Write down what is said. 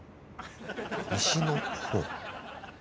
西のほう？